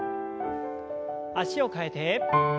脚を替えて。